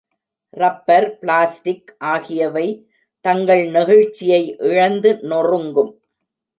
Rubber, plastic ஆகியவை தங்கள் நெகிழ்ச்சியை இழந்து நொறுங்கும்.